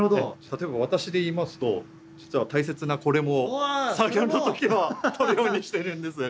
例えば私で言いますと実は大切なこれも作業の時はとるようにしてるんです。